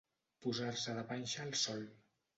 Posar-se de panxa al sol.